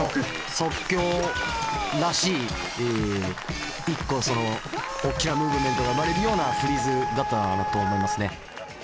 即興らしい一個大きなムーブメントが生まれるようなフリーズだったなと思いますね。